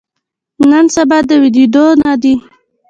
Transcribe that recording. نن سبا د ودریدو نه دی.